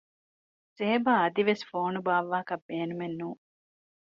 ޒޭބާ އަދިވެސް ފޯނު ބާއްވާކަށް ބޭނުމެއް ނޫން